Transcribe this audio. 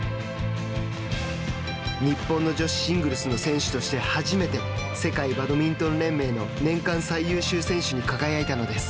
日本の女子シングルスの選手として初めて世界バドミントン連盟の年間最優秀選手に輝いたのです。